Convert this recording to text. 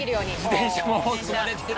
自転車も積まれてる。